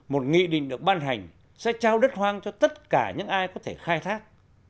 một nghị định được ban hành sẽ trao đất hoang cho tất cả những ai có thể khai thác